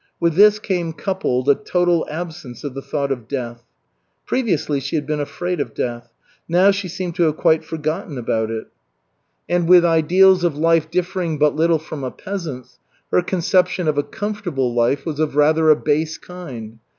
With this came coupled a total absence of the thought of death. Previously, she had been afraid of death; now she seemed to have quite forgotten about it. And with ideals of life differing but little from a peasant's, her conception of a "comfortable life" was of rather a base kind.